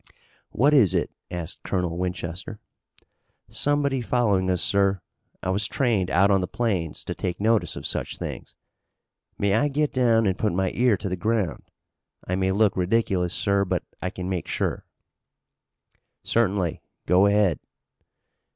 "What is it?" asked Colonel Winchester. "Somebody following us, sir. I was trained out on the plains to take notice of such things. May I get down and put my ear to the ground? I may look ridiculous, sir, but I can make sure." "Certainly. Go ahead."